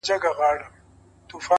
مستي! مستاني! سوخي! شنګي د شرابو لوري!